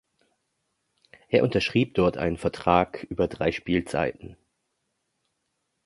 Er unterschrieb dort einen Vertrag über drei Spielzeiten.